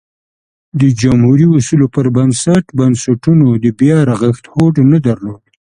د جمهوري اصولو پر بنسټ بنسټونو د بیا رغښت هوډ نه درلود